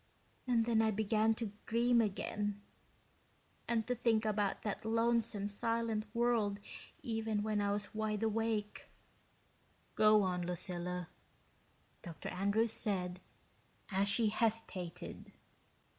And then I began to dream again, and to think about that lonesome silent world even when I was wide awake." "Go on, Lucilla," Dr. Andrews said, as she hesitated.